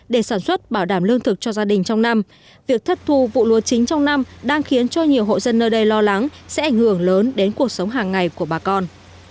để sản xuất bảo đảm lương thực cho gia đình trong năm việc thất thu vụ lúa chính trong năm đang khiến cho nhiều hộ dân nơi đây lo lắng sẽ ảnh hưởng lớn đến cuộc sống hàng ngày của bà con